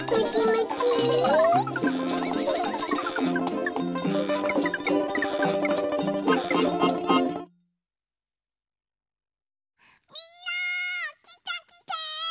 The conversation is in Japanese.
みんなきてきて！